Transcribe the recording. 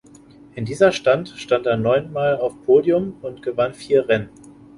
In dieser Stand stand er neunmal auf Podium und gewann vier Rennen.